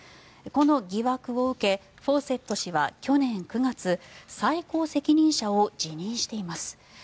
この疑惑を受けフォーセット氏は去年９月最高責任者を辞任しています。